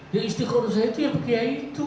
ya istiqoroh saya itu ya pakai air